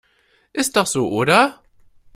Ist doch so, oder?